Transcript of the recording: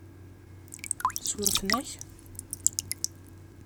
Surfen-ak?